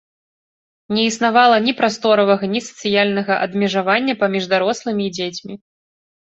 Не існавала ні прасторавага ні сацыяльнага адмежавання паміж дарослымі і дзецьмі.